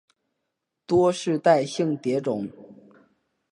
多世代性蝶种。